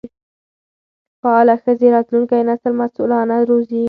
فعاله ښځې راتلونکی نسل مسؤلانه روزي.